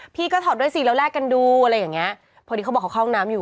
พี่ก็ถอดด้วยสิเราแลกกันดูอะไรอย่างเงี้ยพอดีเขาบอกเขาเข้าห้องน้ำอยู่